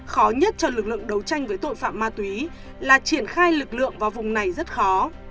khó nhất cho lực lượng đấu tranh với tội phạm ma túy là triển khai lực lượng vào vùng này rất khó